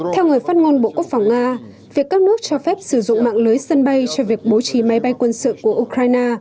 theo người phát ngôn bộ quốc phòng nga việc các nước cho phép sử dụng mạng lưới sân bay cho việc bố trí máy bay quân sự của ukraine